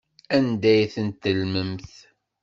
Anda ay tent-tellmemt?